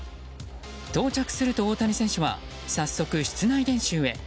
到着すると、大谷選手は早速室内練習へ。